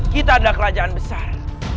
kita adalah kerajaan besar